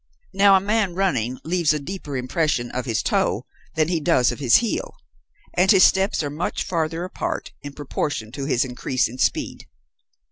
Now a man, running, leaves a deeper impression of his toe than he does of his heel, and his steps are much farther apart in proportion to his increase in speed.